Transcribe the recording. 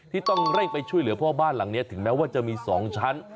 ที่ต้องเร่งไปช่วยเหลือเพราะบ้านหลังนี้ถึงแม้ว่าจะมี๒ชั้น